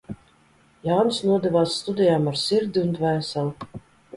Jānis nodevās studijām ar sirdi un dvēseli.